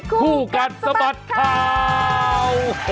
คู่กัดสมัสคราว